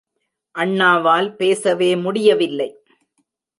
அண்ணாவால் பேசவே முடியவில்லை.